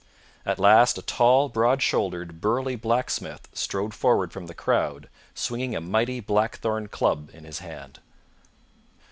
At last a tall, broad shouldered, burly blacksmith strode forward from the crowd swinging a mighty blackthorn club in his hand.